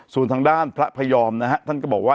ส่วนทางด้านพระพยอมนะฮะท่านก็บอกว่า